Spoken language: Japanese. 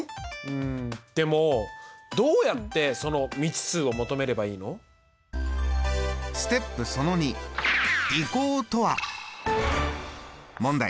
うんでもどうやってその未知数を求めればいいの？問題！